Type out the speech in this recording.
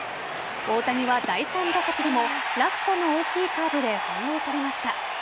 大谷は第３打席でも落差の大きいカーブで翻弄されました。